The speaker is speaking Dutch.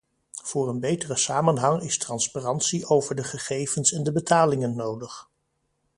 Voor een betere samenhang is transparantie over de gegevens en de betalingen nodig.